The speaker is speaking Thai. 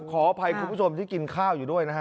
ขออภัยครูผู้โสมที่กินข้าวอยู่ด้วยนะครับ